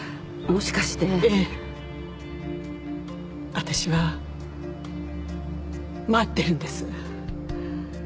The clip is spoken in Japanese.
私は待ってるんです。